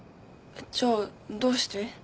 じゃあどうして？